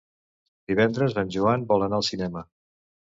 Divendres en Joan vol anar al cinema.